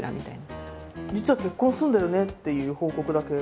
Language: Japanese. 「実は結婚すんだよね」っていう報告だけ。